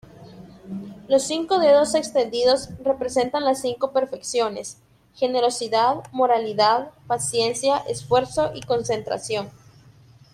Los cinco dedos extendidos representan las cinco perfecciones: generosidad, moralidad, paciencia, esfuerzo y concentración.